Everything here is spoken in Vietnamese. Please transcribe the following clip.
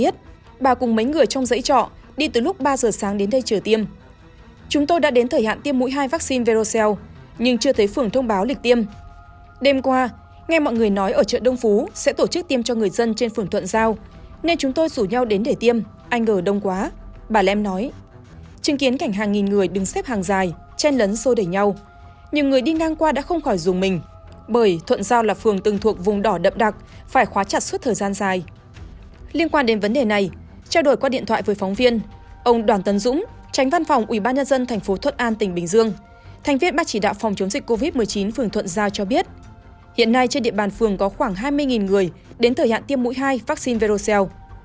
thành viên bác chỉ đạo phòng chống dịch covid một mươi chín phường thuận giao cho biết hiện nay trên địa bàn phường có khoảng hai mươi người đến thời hạn tiêm mũi hai vaccine verocell